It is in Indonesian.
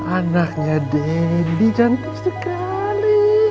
anaknya daddy cantik sekali